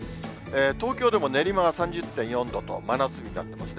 東京でも練馬が３０．４度と真夏日になってますね。